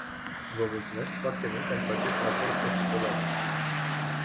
Vă mulțumesc foarte mult pentru acest raport excelent.